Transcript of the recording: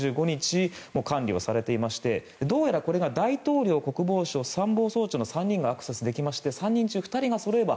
管理をされていましてどうやらこれが大統領国防相、参謀総長の３人がアクセスできまして３人中２人がそろえば